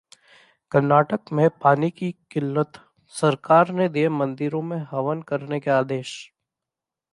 कर्नाटक में पानी की किल्लत, सरकार ने दिया मंदिरों में हवन करने का आदेश